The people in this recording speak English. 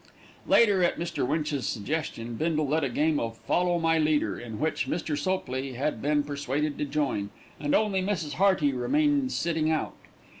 Later, at Mr. Winch's suggestion, Bindle led a game of "Follow my Leader," in which Mr. Sopley had been persuaded to join, and only Mrs. Hearty remained sitting out.